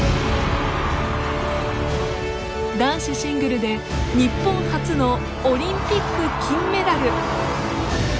男子シングルで日本初のオリンピック金メダル。